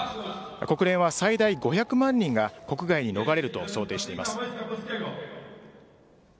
国連は最大５００万人が国外に逃れると想定しています。